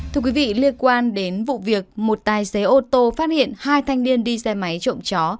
thưa quý vị liên quan đến vụ việc một tài xế ô tô phát hiện hai thanh niên đi xe máy trộm chó